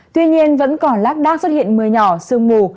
tuy nhiên vẫn còn lác đác xuất hiện mưa nhỏ sương mù